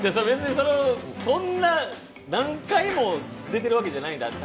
別に、そんな何回も出てるわけじゃないんで。